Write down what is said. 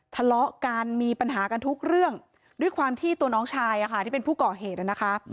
ทะเลาะกันมีปัญหากันทุกเรื่องด้วยความที่ตัวน้องชายที่เป็นผู้ก่อเหตุนะคะ